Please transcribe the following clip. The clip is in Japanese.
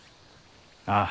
ああ。